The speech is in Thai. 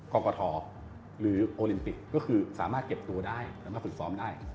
กรกฐหรือโอลิมปิกก็คือสามารถเก็บตัวได้สามารถฝึกซ้อมได้